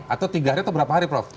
atau tiga hari atau berapa hari prof